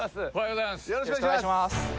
よろしくお願いします